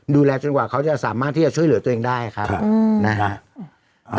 ดูแลจนกว่าเขาจะสามารถที่จะช่วยเหลือตัวเองได้ครับนะฮะ